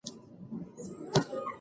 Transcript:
کورنۍ ستونزې د ماشوم په روان اغیز کوي.